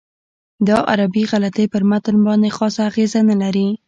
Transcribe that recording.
دا عربي غلطۍ پر متن باندې خاصه اغېزه نه لري.